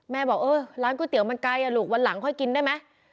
บอกเออร้านก๋วยเตี๋ยมันไกลลูกวันหลังค่อยกินได้ไหม